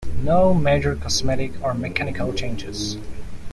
No major cosmetic or mechanical changes.